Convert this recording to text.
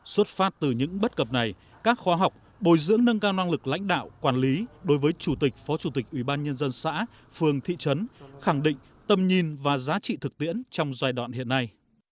xuất phát từ những bất cập này các khoa học bồi dưỡng nâng cao năng lực lãnh đạo quản lý đối với chủ tịch phó chủ tịch ubnd xã phường thị trấn khẳng định tầm nhìn và giá trị thực tiễn trong giai đoạn hiện nay